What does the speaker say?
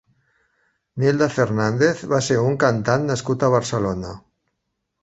Nilda Fernández va ser un cantant nascut a Barcelona.